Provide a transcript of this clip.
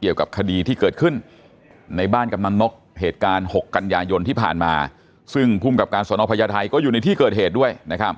เกี่ยวกับคดีที่เกิดขึ้นในบ้านกำนันนกเหตุการณ์๖กันยายนที่ผ่านมาซึ่งภูมิกับการสนพญาไทยก็อยู่ในที่เกิดเหตุด้วยนะครับ